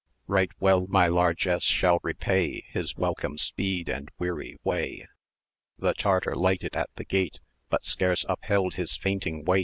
[ds] Right well my largess shall repay His welcome speed, and weary way." The Tartar lighted at the gate, But scarce upheld his fainting weight!